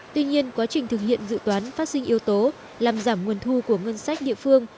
tuy nhiên quá trình thực hiện dự toán phát sinh yếu tố làm giảm nguồn thu của ngân sách địa phương